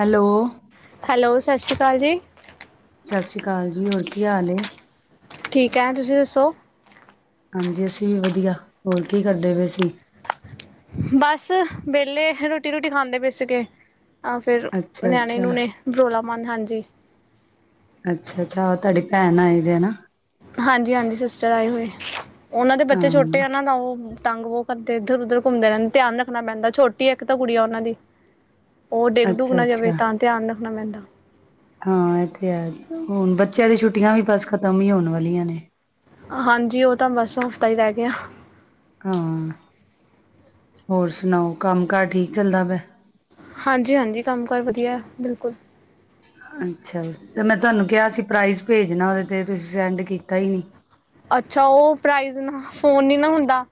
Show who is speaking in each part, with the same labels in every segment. Speaker 1: Hello
Speaker 2: hello ਸਤਿ ਸ਼੍ਰੀ ਅਕਾਲ ਜੀ।
Speaker 1: ਸਤਿ ਸ੍ਰੀ ਅਕਾਲ ਜੀ ਹੋਰ ਕੀ ਏ।
Speaker 2: ਠੀਕ ਹੈ ਤੁਸੀਂ ਦੱਸੋ?
Speaker 1: ਹਾਂਜੀ ਅਸੀਂ ਵੀ ਵਧੀਆ ਹੋਰ ਕੀ ਕਰਦੇ ਪੇ ਸੀਂ?
Speaker 2: ਬਸ ਵਿਹਲੇ ਰੋਟੀ ਰੂਟੀ ਖਾਂਦੇ ਪੇ ਸੀਗੇ ਆ ਫੇਿਰ
Speaker 1: ਅੱਛਾ
Speaker 2: ਨਿਆਣੇ
Speaker 1: ਅੱਛਾ
Speaker 2: ਨਿਊਣੇ। ਜੋਲਾਮਨ ਹਾਂਜੀ
Speaker 1: ਅੱਛਾ ਅੱਛਾ ਤੁਹਾਡੇ ਭੈਣ ਆਇ ਜੇ ਨਾ
Speaker 2: ਹਾਂਜੀ ਹਾਂਜੀ ਸਿਸਟਰ ਆਏ ਹੋਏ, ਓਨਾਂ ਦੇ ਬੱਚੇ ਛੋੱਟੇ
Speaker 1: ਹਾਂ
Speaker 2: ਆ ਨਾ ਤਾਂ ਓ ਤਾੰਗ ਬੋ ਕਦੑਦੇ ਇਦਰ ਉਦਰ ਘੁੰਮਦੇ ਰੈਂਦੇ ਧੇਆਨ ਰਖਨਾ ਪੈਂਦਾ ਛੋਟੀ ਏਕ ਤਾ ਗੂੜੀਆ ਓਨਾਂ ਦੀ। ਓ ਡੇਗ ਡੁਗ
Speaker 1: ਅੱਛਾ
Speaker 2: ਨਾ ਜਾਵੇ
Speaker 1: ਅੱਛਾ
Speaker 2: ਤਾਂ ਧੇਆਨ ਰਖਨਾ ਪੈਂਦਾ।
Speaker 1: ਹਾਂ ਐ ਤੇ ਹੈ ਹੁਨ ਬੱਚੇਆਂ ਦੀ ਛੁੱਟੀਆਂ ਵੀ ਬਸ ਖਤਮ ਈ ਹੋਨ ਵਾਲੀਆਂ ਨੇ।
Speaker 2: ਹਾਂਜੀ ਓ ਤਾਂ ਬਸ ਹਫ਼ਤਾ ਈ ਰੈ ਗੇਆ।
Speaker 1: ਹਾਂ ਹੋਰ ਸੁਨਾਓ ਕੰਮ ਕਾਰ ਠੀਕ ਚੱਲਦਾ ਪੇਆ?
Speaker 2: ਹਾਂਜੀ ਹਾਂਜੀ ਕੰਮ ਕਾਰ ਵਧਿਆ ਬਿਲਕੁਲ।
Speaker 1: ਅੱਛਾ ਤੇ ਮੈਂ ਤੁਹਾਨੂੰ ਕਿਹਾ ਸੀ ਪ੍ਰਾਈਜ਼ ਭੇਜਣਾ ਉਹਦੇ ਤੇ ਤੁਸੀਂ ਸੈਂਡ ਕੀਤਾ ਹੀ ਨਹੀਂ
Speaker 2: ਅੱਛਾ ਉਹ ਪ੍ਰਾਈਜ਼ ਨਾ ਫੋਨ ਨੀ ਨਾ ਹੁੰਦਾ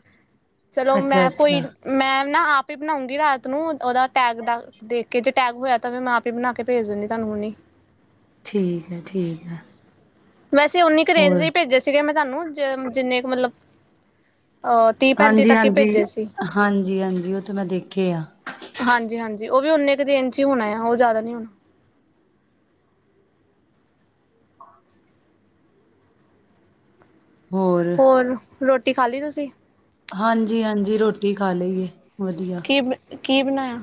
Speaker 2: ਚਲੋ
Speaker 1: ਅੱਛਾ
Speaker 2: ਮੈਂ
Speaker 1: ਅੱਛਾ
Speaker 2: ਕੋਈ ਮੈਂ ਨਾ ਆਪ ਹੀ ਬਣਾਊਂਗੀ ਰਾਤ ਨੂੰ ਉਹਦਾ ਟੈਗ ਦਾ ਦੇਖ ਕੇ ਜ ਟੈਗ ਹੋਇਆ ਤਾਂ ਫ ਮੈਂ ਆਪ ਹੀ ਬਣਾ ਕੇ ਭੇਜ ਦਿੰਦੀ ਤੁਹਾਨੂੰ ਹੁਣੀ
Speaker 1: ਠੀਕ ਹੈ ਠੀਕ ਹੈ
Speaker 2: ਵੈਸੇ ਉਨੀ ਕੁ ਰੇਂਜ ਦੇ
Speaker 1: ਹੋਰ
Speaker 2: ਹੀ ਭੇਜੇ ਸੀਗੇ ਮੈਂ ਤੁਹਾਨੂੰ ਜ ਜਿੰਨੇ ਕੁ ਮਤਲਬ ਅ
Speaker 1: ਹਾਂਜੀ ਹਾਂਜੀ ਹਾਂਜੀ ਹਾਂਜੀ ਉਹ ਤੇ ਮੈਂ ਦੇਖੇ ਆ
Speaker 2: ਹਾਂਜੀ ਹਾਂਜੀ ਉਹ ਵੀ ਉਨੇ ਕੁ ਰੇਂਜ ਹੀ ਹੋਣਾ ਆ ਉਹ ਜ਼ਿਆਦਾ ਨੀ ਹੋਣਾ ਹੋਰ ਰੋਟੀ ਖਾ ਲਈ ਤੁਸੀਂ
Speaker 1: ਹਾਂਜੀ ਹਾਂਜੀ ਰੋਟੀ ਖਾ ਲਈ ਏ ਵਦੀਆ।
Speaker 2: ਕੀ ਕੀ ਬਨਾਏਆ?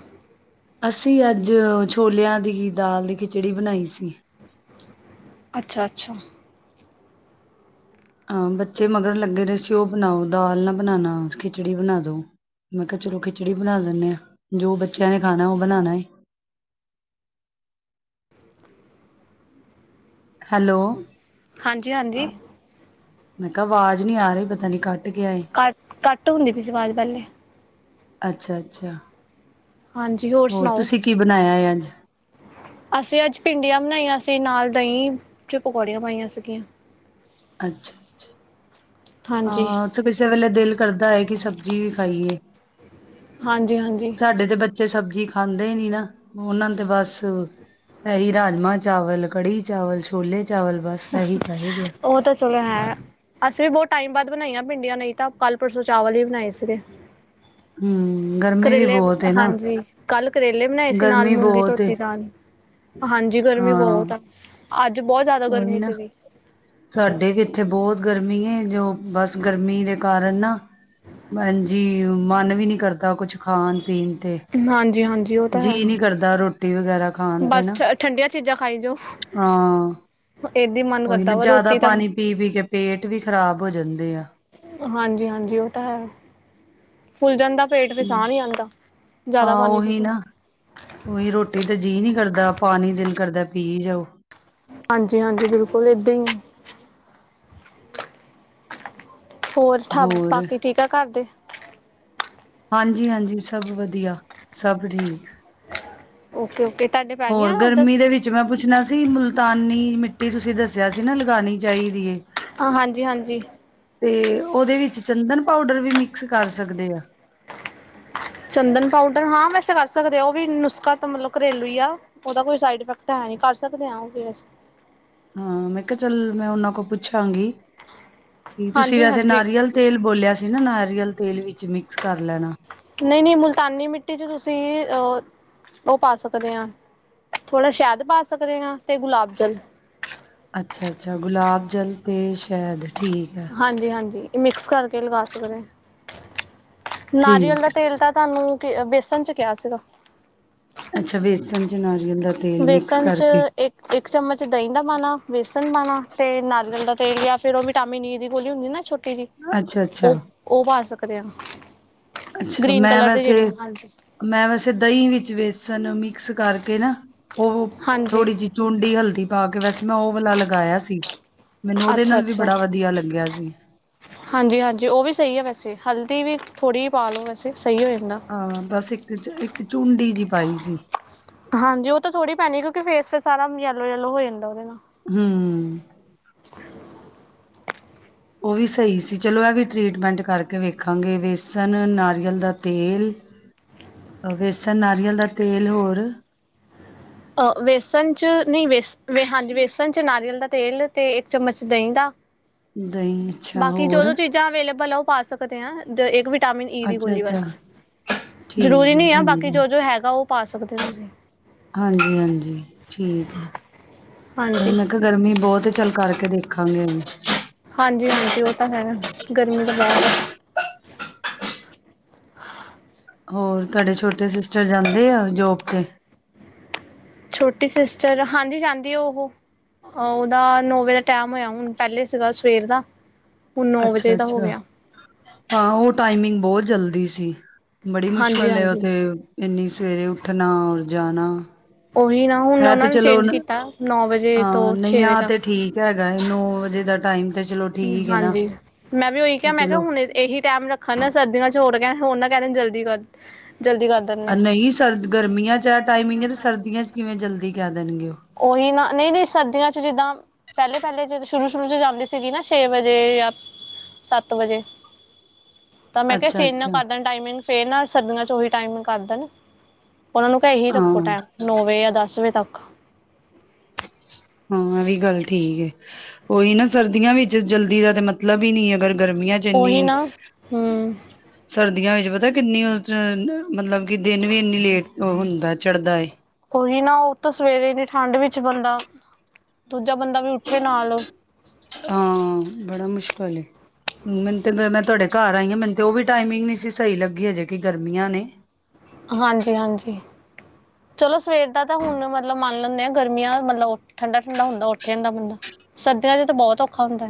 Speaker 1: ਅਸੀ ਅੱਜ ਛੋਲਆਂ ਦੀ ਦਾਲ ਦੀ ਖਿਚੜੀ ਬਨਾਈ ਸੀ।
Speaker 2: ਅੱਛਾ ਅੱਛਾ।
Speaker 1: ਹਾਂ ਬੱਚੇ ਮਗਰ ਲੱਗੇ ਰੈ ਸੀ ਓ ਬਨਾਓ ਦਾਲ ਨਾ ਬਨਾਨਾ ਖਿਚੜੀ ਬਨਾ ਦੋ। ਮੈਂ ਕੇਆ ਚਲੋ ਖਿਚੜੀ ਬਨਾ ਲੈਨੇ ਆ ਜੋ ਬੱਚੇਆਂ ਨੇ ਖਾਣਾ ਓ ਬਨਾਨਾ ਏ। ਹੈਲੋ।
Speaker 2: ਹਾਂਜੀ ਹਾਂਜੀ।
Speaker 1: ਮੈਂ ਕਾ ਵਾਜ ਨੀ ਆ ਰੀ ਪਤਾ ਨੀ ਕਟ ਗੇਆ ਏ।
Speaker 2: ਕੱਟ ਕੱਟ ਹੁੰਦੀ ਪੀ ਸੀ ਵਾਜ ਪੈਲੇ।
Speaker 1: ਅੱਛਾ ਅੱਛਾ ਹੋਰ ਤੂਸੀ ਕੀ ਬਨਾਏਆ ਏ ਅੱਜ?
Speaker 2: ਅਸੀ ਅੱਜ ਭਿੰਡੀਆਂ ਬਨਾਈਆਂ ਸੀ ਨਾਲ ਦਹੀਂ ਚ ਪਕੌੜੀਆਂ ਪਾਈਆਂ ਸੀਗੀਆਂ।
Speaker 1: ਅੱਛਾ।
Speaker 2: ਹਾਂਜੀ
Speaker 1: ਹਾਂ ਕਿਸੇ ਵੇਲੇ ਦਿਲ ਕਰਦਾ ਏ ਕਿ ਸਬਜੀ ਵੀ ਖਾਈਏ।
Speaker 2: ਹਾਂਜੀ ਹਾਂਜੀ।
Speaker 1: ਸਾਡੇ ਤੇ ਬੱਚੇ ਸਬਜੀ ਖਾਂਦੇ ਨੀ ਨਾ ਓਨਾਂ ਨੂੰ ਤੇ ਬੱਸ ਏਈ ਰਾਜਮਾਂ ਚਾਵਲ ਕੜੀ ਚਾਵਲ ਛੋਲੇ ਚਾਵਲ ਬੱਸ ਏਹੀ ਚਾਹੀਦੇ ਆ।
Speaker 2: ਅਸੀ ਵੀ ਬੋਤ ਟਾਈਮ ਬਾਦ ਬਨਾਈਆਂ ਭਿੰਡੀਆਂ ਨਈ ਤਾਂ ਕੱਲ ਪਰਸੋਂ ਚਾਵਲ ਹੀ ਬਨਾਏ ਸੀਗੇ।
Speaker 1: ਹਮ ਗਰਮੀ ਵੀ
Speaker 2: ਕਰੇਲੇ,
Speaker 1: ਬਹੁਤ ਹੈ ਨਾ
Speaker 2: ਹਾਂਜੀ। ਕੱਲ ਕਰੇਲੇ ਬਨਾਏ ਸੀ ਨਾਲ
Speaker 1: ਗਰਮੀ
Speaker 2: ਮੂੰਗੀ
Speaker 1: ਬਹੁਤ ਏ।
Speaker 2: ਧੋਤੀ ਦਾਲ, ਹਾਂਜੀ ਗਰਮੀ
Speaker 1: ਹਾਂ
Speaker 2: ਬੋਹਤ ਆ। ਅੱਜ ਬੋਤ ਜਾਦਾ
Speaker 1: ਉਹੀ
Speaker 2: ਗਰਮੀ
Speaker 1: ਨਾ
Speaker 2: ਸੀਗੀ।
Speaker 1: ਸਾਡੇ ਵੀ ਇੱਥੇ ਬੋਤ ਗਰਮੀ ਏ ਜੋ, ਬਸ ਗਰਮੀ ਦੇ ਕਾਰਨ ਨਾ ਹਂਜੀ ਮੱਨ ਵੀ ਨੀ ਕਰਦਾ ਕੁਛ ਖਾਨ ਪੀਨ ਤੇ
Speaker 2: ਹਾਂਜੀ- ਹਾਂਜੀ ਓ ਤਾਂ ਹੈ।
Speaker 1: ਦਾ ਰੋਟੀ ਵਗੈਰਾ ਖਾਣ ਤੇ
Speaker 2: ਬਸ
Speaker 1: ਨਾ
Speaker 2: ਠ, ਠੰਡੀਆਂ ਚੀਜਾਂ ਖਾਈ ਜਾਓ,
Speaker 1: ਹਾਂ
Speaker 2: ਏਬੀ ਮਨ ਕਰਦਾ ਵਾ ਰੋਟੀ ਤਾ
Speaker 1: ਪੀ-ਪੀ ਕੇ ਪੇਟ ਵੀ ਖਰਾਬ ਹੋ ਜਂਦੇ ਆ।
Speaker 2: ਹਾਂਜੀ ਹਾਂਜੀ ਓ ਤਾ ਹੈ ਫੁੱਲ ਜਾਂਦਾ ਪੇਟ ਫੇਰ ਸਾਹ ਨੀ ਆਂਦਾ। ਜਾਦਾ ਪਾਨੀ ਪੀ-ਪੀ।
Speaker 1: ਓਈ ਰੋਟੀ ਤੇ ਜੀਅ ਨੀ ਕਰਦਾ, ਪਾਨੀ ਦਿਲ ਕਰਦਾ ਪੀਅ ਜਾਓ।
Speaker 2: ਹਾਂਜੀ-ਹਾਂਜੀ ਬਿਲਕੁਲ ਏਦਾਂ ਈ ਹੋਰ ਠਗ ਬਾਕੀ ਠੀਕ ਐ ਘਾਰ ਦੇ?
Speaker 1: ਹਾਂਜੀ- ਹਾਂਜੀ ਸਬ ਵਦੀਆ ਸਬ ਠੀਕ।
Speaker 2: ਓਕੇ- ਓਕੇ, ਤਾਡੇ
Speaker 1: ਹੋਰ ਗਰਮੀ ਦੇ ਵਿੱਚ ਮੈਂ ਪੁੱਛਣਾ ਸੀ ਮੁਲਤਾਨੀ ਮਿੱਟੀ ਤੁਸੀਂ ਦੱਸਿਆ ਸੀ ਨਾ ਲਗਾਣੀ ਚਾਈਦੀ ਏ।
Speaker 2: ਆ ਹਾਂਜੀ- ਹਾਂਜੀ।
Speaker 1: ਤੇ ਓਦੇ ਵਿੱਚ ਚੰਦਨ ਪਾਊਡਰ ਵੀ ਮਿਕਸ ਕਰ ਸਕਦੇ ਆ?
Speaker 2: ਚੰਦਨ ਪਾਊਡਰ ਹਾਂ ਵੈਸੇ ਕਰ ਸਕਦੇ ਉਹ ਵੀ ਨੁਸਖਾ ਤਾਂ ਮਤਲਬ ਘਰੇਲੂ ਹੀ ਆ ਉਹਦਾ ਕੋਈ ਸਾਈਡ ਇਫੈਕਟ ਹੈਨੀ ਕਰ ਸਕਦੇ ਆ ਉਹ ਵੀ ਅਸੀ।
Speaker 1: ਹਾਂ ਮੈਂ ਕੇਆ ਚੱਲ ਮੈਂ ਓਨਾਂ ਕੋ ਪੁੱਛਾਂਗੀ, ਕਿ ਤੂਸੀ
Speaker 2: ਹਾਂਜੀ
Speaker 1: ਵੈਸੇ
Speaker 2: ਹਾਂਜੀ
Speaker 1: ਨਾਰੀਅਲ ਤੇਲ ਬੋਲੇਆ ਸੀ ਨਾ ਨਾਰੀਅਲ ਤੇਲ ਵਿਚ ਮਿਕਸ ਕਾਰ ਲੈਣਾ।
Speaker 2: ਨਈ -ਨਈ ਮੁਲਤਾਨੀ ਮਿੱਟੀ ਚ ਤੂਸੀ ਅ, ਓ ਪਾ ਸਕਦੇ ਆਂ ਥੋੜਾ ਸੈ਼ਦ ਪਾ ਸਕਦੇ ਹਾਂ, ਤੇ ਗੁਲਾਬ ਜਲ।
Speaker 1: ਅੱਛਾ-ਅੱਛਾ ਗੁਲਾਬ ਜਲ ਤੇ ਸ਼ੈਦ ਠੀਕ ਐ।
Speaker 2: ਹਾਂਜੀ-ਹਾਂਜੀ ਏ ਮਿਕਸ ਕਰਕੇ ਲਗਾ ਸਕਦੇ, ਨਾਰੀਅਲ
Speaker 1: ਠੀਕ
Speaker 2: ਦਾ ਤੇਲ ਤਾਂ ਤਾਨੂੰ ਕੇ ਬੇਸਨ ਚ ਕੇਆ ਸੀਗਾ।
Speaker 1: ਅੱਛਾ, ਵੇਸਨ ਚ ਨਾਰੀਅਲ ਦਾ ਤੇਲ ਮਿਕਸ ਕਰਕੇ।
Speaker 2: ਇਕ ਚਮਚ ਦਹੀਂ ਦਾ ਪਾਨਾ, ਵੇਸਨ ਪਾਨਾ ਤੇ ਨਾਰੀਅਲ ਦਾ ਤੇਲ ਯਾ ਫੇਰ ਓ ਵੀਟਾਮੀਨ ਈ ਦੀ ਗੋਲੀ ਹੁੰਦੀ ਨਾ ਛੋਟੀ ਕੇੜੀ,
Speaker 1: ਅੱਛਾ ਅੱਛਾ
Speaker 2: ਉਹ-ਉਹ ਪਾ ਸਕਦੇ ਆ?
Speaker 1: ਅੱਛਾ
Speaker 2: ਗ੍ਰੀਨ
Speaker 1: ਮੈਂ
Speaker 2: ਕਲਰ ਦੇ
Speaker 1: ਵੈਸੇ
Speaker 2: ਜੇੜੀ, ਹਾਂਜੀ। [unintelligible]
Speaker 1: ਮੈਂ ਵੈਸੇ ਦਹੀਂ ਵਿੱਚ ਵੇਸਣ ਮਿਕਸ ਕਰਕੇ ਨਾ, ਉਹ ਥੋੜੀ ਜੀ ਚੂੰਡੀ ਹਲਦੀ ਪਾ ਕੇ ਵੈਸੇ ਮੈਂ ਓ ਵਾਲਾ ਲਗਾਇਆ ਸੀ। ਮੈਨੂੰ ਓਦੇ
Speaker 2: ਅੱਛਾ
Speaker 1: ਨਾਲ ਵੀ ਬੜਾ ਵਧੀਆ ਲੱਗਿਆ ਸੀ।
Speaker 2: ਹਾਂਜੀ-ਹਾਂਜੀ ਓਵੀ ਸਹੀ ਆ ਵੈਸੇ, ਹਲਦੀ ਵੀ ਥੋੜ੍ਹੀ ਜੀ ਪਾ ਲਉ ਵੈਸੇ ਸਹੀ ਹੋ ਜਾਂਦਾ।
Speaker 1: ਹਾਂ ਬਸ ਇੱਕ ਚ, ਇੱਕ ਚੂੰਡੀ ਜੀ ਪਾਈ ਸੀ।
Speaker 2: ਹਾਂਜੀ ਉਹ ਤਾਂ ਥੋੜੀ ਪੈਨੀ ਕਿਉਂਕੇ ਫੇਸ ਫੇਰ ਸਾਰਾ ਯੈਲੋ- ਯੈਲੋ ਹੋ ਜਾਂਦਾ ਉਹਦੇ ਨਾਲ।
Speaker 1: ਹਮ।
Speaker 2: [inaudible] [inaudible]
Speaker 1: ਓਵੀ ਸਹੀ ਸੀ, ਚਲੋ ਇਹ ਵੀ ਟਰੀਟਮੈਂਟ ਕਰਕੇ ਵੇਖਾਂਗੇ ਵੇਸਨ, ਨਾਰੀਅਲ ਦਾ ਤੇਲ ਵੇਸਣ, ਨਾਰੀਅਲ ਦਾ ਤੇਲ ਹੋਰ
Speaker 2: ਆ ਵੇਸਣ 'ਚ ਨਈਂ ਵੇਸ ਵੇ ਹਾਂਜੀ ਵੇਸਣ 'ਚ ਨਾਰੀਅਲ ਦਾ ਤੇਲ ਅਤੇ ਇੱਕ ਚਮਚ ਦਹੀਂ ਦਾ।
Speaker 1: [inaudible] [inaudible] ਦਹੀਂ ਅੱਛਾ
Speaker 2: ਬਾਕੀ
Speaker 1: ਹੋਰ
Speaker 2: ਜੋ-ਜੋ ਚੀਜ਼ਾਂ ਅਵੇਲੇਬਲ ਆ ਉਹ ਪਾ ਸਕਦੇ ਆ। ਦ ਇੱਕ ਵਿਟਾਮਿਨ ਈ ਦੀ
Speaker 1: ਅੱਛਾ
Speaker 2: ਗੋਲੀ
Speaker 1: ਅੱਛਾ
Speaker 2: ਬਸ।
Speaker 1: ਠੀਕ
Speaker 2: ਜ਼ਰੂਰੀ
Speaker 1: ਹੈ
Speaker 2: ਨੀ ਆ ਬਾਕੀ ਜੋ- ਜੋ ਹੈਗਾ ਉਹ ਪਾ ਸਕਦੇ ਤੁਸੀਂ।
Speaker 1: ਹਾਂਜੀ-ਹਾਂਜੀ ਠੀਕ ਆ,
Speaker 2: ਹਾਂਜੀ
Speaker 1: ਮੈਂ ਕਾ ਗਰਮੀ ਬਹੁਤ ਚੱਲ ਕਰਕੇ ਦੇਖਾਂਗੇ ਏਨੂੰ
Speaker 2: ਹਾਂਜੀ-ਹਾਂਜੀ ਓਤਾਂ ਹੈ ਗਰਮੀ ਤਾਂ ਬਹੁਤ ਆਂ।
Speaker 1: ਹੋਰ ਤੁਹਾਡੇ ਛੋਟੇ ਸਿਸਟਰ ਜਾਂਦੇ ਆ ਜੋਬ ਤੇ?
Speaker 2: ਛੋਟੀ ਸਿਸਟਰ ਹਾਂਜੀ ਜਾਂਦੀ ਉਹੋ। ਉਹਦਾ ਨੌ ਵਜੇ ਦਾ ਟਾਈਮ ਹੋਇਆ, ਹੁਣ ਪਹਿਲੇ ਸੀਗਾ ਸਵੇਰ ਦਾ। ਹੁਣ ਨੌ ਵਜੇ
Speaker 1: ਅੱਛਾ,
Speaker 2: ਦਾ ਹੋ
Speaker 1: ਅੱਛਾ
Speaker 2: ਗਿਆ
Speaker 1: ਹਾਂ ਉਹ ਟਾਈਮਿੰਗ ਬਹੁਤ ਜਲਦੀ ਸੀ। ਬੜੀ
Speaker 2: ਹਾਂਜੀ
Speaker 1: ਮੁਸ਼ਕਿਲ ਓ
Speaker 2: ਹਾਂਜੀ
Speaker 1: ਤੇ ਇੰਨੀ ਸਵੇਰੇ ਉੱਠਣਾ ਔਰ ਜਾਣਾ।
Speaker 2: ਉਹੀ ਨਾ ਹੁਣ
Speaker 1: ਹੈ ਤੇ
Speaker 2: ਉਹਨਾਂ ਨੇ
Speaker 1: ਚਲੋ
Speaker 2: ਚੇਂਜ
Speaker 1: ਨ-
Speaker 2: ਕੀਤਾ, ਨੌ ਵਜੇ
Speaker 1: ਹਾਂ
Speaker 2: ਤੋਂ
Speaker 1: ਨਹੀਂ
Speaker 2: ਛੇ ਵਜੇ
Speaker 1: ਆ
Speaker 2: ਤੱਕ
Speaker 1: ਤੇ ਠੀਕ ਹੈਗਾ ਨਾ ਨੋ ਵਜੇ ਤਕ ਟਾਈਮ ਤੇ ਚਲੋ ਠੀਕ ਏ ਨਾ
Speaker 2: ਹਾਂਜੀ, ਮੈਂ ਵੀ ਉਹੀ
Speaker 1: ਕਿ
Speaker 2: ਕਿਹਾ ਮੈਂ ਕਿਹਾ
Speaker 1: ਚਲੋ
Speaker 2: ਹੁਣ ਇਹੀ ਟੈਮ ਰੱਖਣ ਸਰਦੀਆਂ ਚ ਹੋਰ ਕਹਿ ਹੋਰ ਨਾ ਕਹਿ ਜਲਦੀ ਕਰ, ਜਲਦੀ ਕਰ ਦਿੰਦੇ
Speaker 1: ਨਹੀਂ ਸਰ ਗਰਮੀਆਂ ਚ ਆ ਟਾਈਮਿੰਗ ਐ ਟਾਈਮਿੰਗ ਸਰਦੀਆਂ ਚ ਕਿਵੇਂ ਜਲਦੀ ਕਹਿ ਦੇਣਗੇ ਓ
Speaker 2: ਉਹੀ ਨਾ ਨਹੀਂ ਨਹੀਂ ਸਰਦੀਆਂ ਚ ਜਿੱਦਾਂ ਪਹਿਲੇ, ਪਹਿਲੇ ਜਦੋਂ ਸ਼ੁਰੂ ਸ਼ੁਰੂ ਚ ਜਾਂਦੀ ਸੀਗੀ ਨਾ ਛੇ ਵਜੇ ਜਾ ਸੱਤ ਵਜੇ ਤਾਂ ਮੈਂ ਕਿਹਾ
Speaker 1: ਅੱਛਾ
Speaker 2: ਚੇਂਜ ਨਾ
Speaker 1: ਅੱਛਾ
Speaker 2: ਕਰ ਦੇਣ ਟਾਈਮਿੰਗ ਫੇਰ ਨਾ ਸਰਦੀਆਂ ਚ ਉਹੀ ਟਾਈਮਿੰਗ ਕਰ ਦੇਣ ਉਹਨਾਂ ਨੂੰ। ਇਹੀ ਰੱਖੋ
Speaker 1: ਹਾਂ
Speaker 2: ਟਾਈਮ ਨੌ ਵਜੇ ਜਾ ਦਸ ਵਜੇ ਤੱਕ।
Speaker 1: ਹਾਂ ਇਹ ਵੀ ਗੱਲ ਠੀਕ ਐ। ਉਹੀ ਨਾ ਸਰਦੀਆਂ ਵਿੱਚ ਜਲਦੀ ਦਾ ਤਾਂ ਮਤਲਬ ਵੀ ਨਹੀਂ ਅਗਰ ਗਰਮੀਆਂ ਚ ਐਨੀ।
Speaker 2: ਉਹੀ ਨਾ ਹਮ
Speaker 1: ਸਰਦੀਆਂ ਵਿੱਚ ਪਤਾ ਕਿੰਨੀਆਂ ਚ ਮਤਲਬ ਕਿ ਦਿਨ ਵੀ ਇੰਨੀ ਲੇਟ ਹੁੰਦਾ ਚੜ੍ਹਦਾ ਏ।
Speaker 2: ਉਹੀ ਨਾ ਉਹ ਤਾਂ ਸਵੇਰੇ ਦੀ ਠੰਡ ਵਿੱਚ ਬੰਦਾ ਦੂਜਾ ਬੰਦਾ ਵੀ ਉੱਠੇ ਨਾਲ।
Speaker 1: ਹਾਂ, ਬੜਾ ਮੁਸ਼ਕਲ ਏ। ਮੈਨੂੰ ਤੇ ਮੈਂ ਤੁਹਾਡੇ ਘਰ ਆਈ ਆ ਮੈਨੂੰ ਤੇ ਉਹ ਵੀ ਟਾਈਮਿੰਗ ਨੀ ਸੀ ਸਹੀ ਲੱਗੀ ਹਜੇ ਕਿ ਗਰਮੀਆਂ ਨੇ
Speaker 2: ਹਾਂਜੀ, ਹਾਂਜੀ ਚਲੋ ਸਵੇਰ ਦਾ ਤਾਂ ਹੁਣ ਮਤਲਬ ਮੰਨ ਲੈਣੇ ਆ ਗਰਮੀਆਂ ਮਤਲਬ ਠੰਡਾ, ਠੰਡਾ ਹੁੰਦਾ ਉੱਠੇਜਾਂਦਾ ਬੰਦਾ ਸਰਦੀਆਂ 'ਚ ਤਾਂ ਬਹੁਤ ਔਖਾ ਹੁੰਦਾ।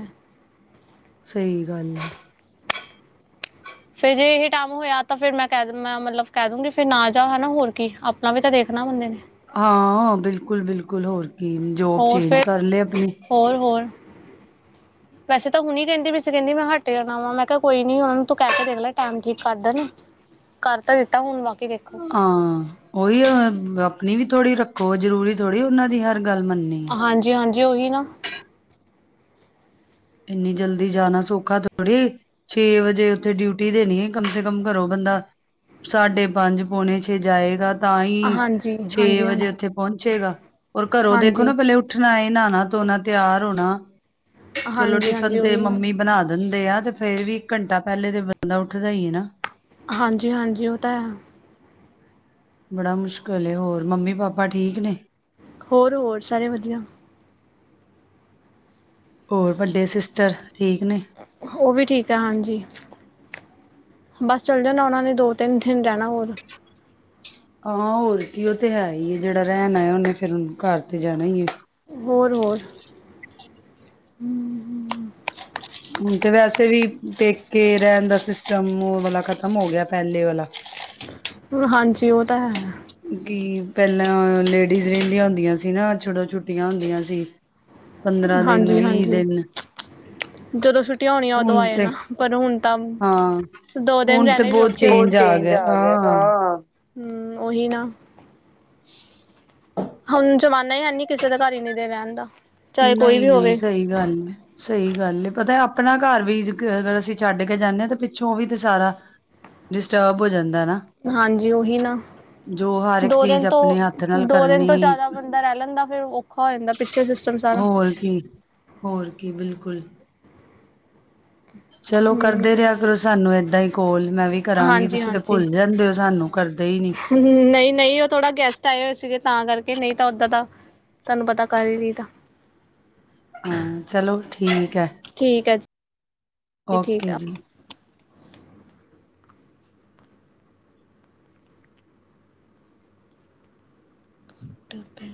Speaker 1: ਸਹੀ ਗੱਲ ਐ।
Speaker 2: ਫੇਰ ਜੇ ਇਹੀ ਟਾਈਮ ਹੋਇਆ ਤਾਂ, ਫਿਰ ਮੈਂ ਕਹਿ ਮੈਂ ਮਤਲਬ ਕਹਿ ਦੂੰਗੀ ਫਿਰ ਨਾ ਜਾ ਹਨਾ ਹੋਰ ਕੀ ਆਪਣਾ ਵੀ ਤਾਂ ਦੇਖਣਾ ਬੰਦੇ ਨੇ
Speaker 1: ਹਾਂ ਬਿਲਕੁਲ ਬਿਲਕੁਲ ਹੋਰ ਕੀ ਜੋਬ
Speaker 2: ਹੋਰ
Speaker 1: ਚੇਂਜ
Speaker 2: ਫਿਰ
Speaker 1: ਕਰ ਲਏ ਆਪਣੀ
Speaker 2: ਹੋਰ ਹੋਰ
Speaker 1: [inaudible]
Speaker 2: ਵੈਸੇ ਤਾਂ ਹੁਣੀ ਕਹਿੰਦੀ ਪਈ ਸੀ ਕਹਿੰਦੀ ਮੈਂ ਹੱਟ ਜਾਣਾ ਮੈਂ ਕਿਹਾ ਕੋਈ ਨੀ ਕਹਿ ਕੇ ਦੇਖ ਲੈ ਟੈਮ ਠੀਕ ਕਰ ਦੇਣ। ਕਰ ਤਾਂ ਦਿੱਤਾ ਹੁਣ ਬਾਕੀ ਵੇਖੋ।
Speaker 1: ਹਾਂ, ਉਹੀ ਆਪਣੀ ਵੀ ਥੋੜ੍ਹੀ ਰੱਖੋ ਜ਼ਰੂਰੀ ਥੋੜ੍ਹੀ ਉਹਨਾਂ ਦੀ ਹਰ ਗੱਲ ਮੰਨਣੀ।
Speaker 2: ਹਾਂਜੀ ਹਾਂਜੀ ਉਹੀ ਨਾ।
Speaker 1: ਇੰਨੀ ਜਲਦੀ ਜਾਣਾ ਸੌਖਾ ਥੋੜ੍ਹੀ। ਛੇ ਵਜੇ ਉੱਥੇ ਡਿਊਟੀ ਦੇਣੀ ਕਮ ਸੇ ਕਮ ਘਰੋ ਬੰਦਾ ਸਾਢੇ ਪੰਜ ਪੌਣੇ ਛੇ ਜਾਏਗਾ ਤਾਂ ਹੀ
Speaker 2: ਹਾਂਜੀ
Speaker 1: ਛੇ
Speaker 2: ਹਾਂਜੀ
Speaker 1: ਵਜੇ
Speaker 2: ਹਾਂਜੀ
Speaker 1: ਉੱਥੇ ਪਹੁੰਚੇਗਾ ਔਰ ਘਰੋਂ ਦੇਖੋ ਨਾ
Speaker 2: ਹਾਂਜੀ
Speaker 1: ਪਹਿਲੇ ਉਹ ਉੱਠਣਾ ਏ ਨਹਾਣਾ ਧੋਣਾ ਤਿਆਰ ਹੋਣਾ। ਚਲੋ
Speaker 2: ਹਾਂਜੀ ਹਾਂਜੀ
Speaker 1: ਟਿਫਨ ਤੇ
Speaker 2: ਉਹੀ ਨਾ
Speaker 1: ਮੰਮੀ ਬਣਾ ਦਿੰਦੇ ਆ ਤੇ ਫੇਰ ਵੀ ਇੱਕ ਘੰਟਾ ਪਹਿਲੇ ਤੇ ਬੰਦਾ ਉੱਠਦਾ ਹੀ ਏ ਨਾ।
Speaker 2: ਹਾਂਜੀ ਹਾਂਜੀ ਉਹ ਤਾਂ ਹੈ।
Speaker 1: ਬੜਾ ਮੁਸ਼ਕਿਲ ਏ ਹੋਰ ਮੰਮੀ ਪਾਪਾ ਠੀਕ ਨੇ।
Speaker 2: ਹੋਰ ਹੋਰ ਸਾਰੇ ਵਧੀਆ।
Speaker 1: ਹੋਰ ਵੱਡੇ ਸਿਸਟਰ ਠੀਕ ਨੇ।
Speaker 2: ਉਹ ਵੀ ਠੀਕ ਐ ਹਾਂਜੀ। ਬਸ ਚੱਲ ਜਾਣਾ ਓਨਾਂ ਨੇ ਦੋ ਤਿੰਨ ਦਿਨ ਰਹਿਣਾ ਹੋਰ
Speaker 1: [inaudible] ਆ ਹੋਰ ਕੀ ਉਹ ਤੇ ਹੈ ਹੀ ਜਿਹੜਾ ਰਹਿਣ ਆਇਆ ਉਹਨੇ ਫੇਰ ਘਰ ਤੇ ਜਾਣਾ ਹੀ ਹੈ।
Speaker 2: ਹੋਰ ਹੋਰ
Speaker 1: ਹੁਣ ਤੇ ਵੈਸੇ ਵੀ ਪੇਕੇ ਰਹਿਣ ਦਾ ਸਿਸਟਮ ਉਹ ਵਾਲਾ ਖ਼ਤਮ ਹੋ ਗਿਆ ਪਹਿਲੇ ਵਾਲਾ।
Speaker 2: ਹੁਣ ਹਾਂਜੀ ਉਹ ਤਾਂ ਹੈ।
Speaker 1: ਕੀ ਪਹਿਲਾਂ ਲੇਡੀਜ਼ ਮਿਲਦਿਆ ਹੁੰਦੀਆਂ ਸੀ ਨਾ ਜਦੋ ਛੁੱਟੀਆਂ ਹੁੰਦੀਆਂ ਸੀ। ਪੰਦਰਾਂ ਦਿਨ
Speaker 2: ਹਾਂਜੀ
Speaker 1: ਵੀਹ
Speaker 2: ਹਾਂਜੀ
Speaker 1: ਦਿਨ।
Speaker 2: ਜਦੋਂ ਛੁੱਟੀਆਂ ਹੋਣੀੀਆਂ ਉਦੋਂ
Speaker 1: ਹੁਣ ਤੇ
Speaker 2: ਆਏਣਾ ਪਰ ਹੁਣ ਤਾਂ
Speaker 1: ਹਾਂ
Speaker 2: ਦੋ ਦਿਨ ਰਹਿਣੇ ਵੀ ਔਖੇ ਔਹ ਚੇਂਜ ਆ ਗਿਆ ਹਾਂ ਹੂੰ ਔਹੀ ਨਾ। ਹੁਣ ਜ਼ਮਾਨਾ ਹੈ ਹੀ ਨਹੀ ਕਿਸੇ ਦੇ ਘਰ ਇਨੀ ਦੇਰ ਰਹਿਣ ਦਾ ਚਾਹੇ ਕੋਈ
Speaker 1: ਨਹੀਂ
Speaker 2: ਵੀ
Speaker 1: ਨਹੀਂ
Speaker 2: ਹੋਵੇ।
Speaker 1: ਸਹੀ ਗੱਲ। ਸਹੀ ਗੱਲ ਹੈ ਪਤਾ ਆਪਣਾ ਘਰ ਵੀ ਅਗਰ ਅਸੀਂ ਛੱਡ ਕੇ ਜਾਂਦੇ ਹਾਂ ਤੇ ਪਿੱਛੋਂ ਵੀ ਤੇ ਸਾਰਾ ਡਿਸਟਰਬ ਹੋ ਜਾਂਦਾ ਨਾ।
Speaker 2: ਹਾਂਜੀ ਔਹੀ ਨਾ।
Speaker 1: ਜੋ ਹਰ ਇੱਕ
Speaker 2: ਦੋ
Speaker 1: ਚੀਜ਼
Speaker 2: ਦਿਨ ਤੋਂ
Speaker 1: ਆਪਣੇ ਹੱਥ ਨਾਲ
Speaker 2: ਦੋ ਦਿਨ
Speaker 1: ਕਰਨੀ
Speaker 2: ਤੋਂ ਜਿਆਦਾ ਬੰਦਾ ਰਹਿ ਲੈਂਦਾ ਫੇਰ ਔਖਾ ਹੋ ਜਾਂਦਾ ਪਿੱਛੇ ਸੇ।
Speaker 1: ਹੋਰ ਕੀ ਹੋਰ ਕੀ ਬਿਲਕੁਲ। ਚਲੋ
Speaker 2: ਹਮ
Speaker 1: ਕਰਦੇ ਰਿਆ ਕਰੋ ਸਾਨੂੰ ਏਦਾਂ ਈ ਕੋਲ ਮੈਂ ਵੀ ਕਰਾਂਗੀ
Speaker 2: ਹਾਂਜੀ
Speaker 1: ਤੁਸੀਂ ਤਾਂ ਭੁੱਲ ਜਾਂਦੇ ਓ ਸਾਨੂੰ ਕਰਦੇ ਈ ਨੀ।
Speaker 2: ਨਈ ਨਈ ਓ ਥੋੜਾ ਗੈਸਟ ਆਏ ਹੋਏ ਸੀਗੇ ਤਾਂ ਕਰਕੇ ਨਈ ਤਾਂ ਓਦਾਂ ਤਾਂ ਤਾਂਨੂੰ ਪਤਾ ਕਰ ਈ ਰੀਦਾ।
Speaker 1: ਹਾਂ ਚਲੋ ਠੀਕ ਐ
Speaker 2: ਠੀਕ ਹੈ ਜੀ ਠੀਕ
Speaker 1: ਓਕੇ
Speaker 2: ਆ
Speaker 1: ਜੀ।
Speaker 2: ਟੱਬੇ